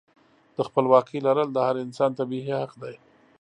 د خپلواکۍ لرل د هر انسان طبیعي حق دی.